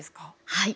はい。